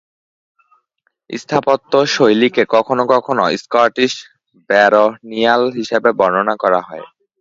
স্থাপত্য শৈলীকে কখনও কখনও স্কটিশ ব্যারনিয়াল হিসাবে বর্ণনা করা হয়।